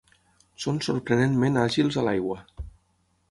Són sorprenentment àgils a l'aigua.